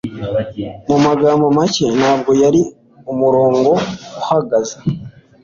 Mu magambo make, ntabwo yari umurongo uhagaze